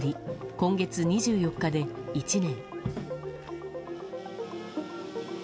今月２４日で１年。